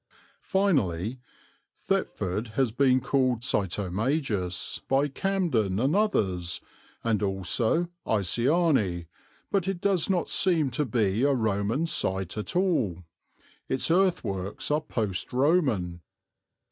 Finally, "Thetford has been called Sitomagus by Camden and others, and also Iciani; but it does not seem to be a Roman site at all; its earthworks are post Roman.